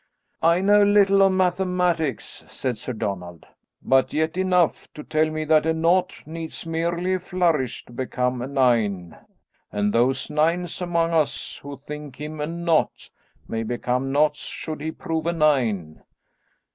"I know little of mathematics," said Sir Donald, "but yet enough to tell me that a nought needs merely a flourish to become a nine, and those nines among us who think him a nought, may become noughts should he prove a nine.